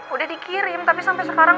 udah dikirim tapi sampai sekarang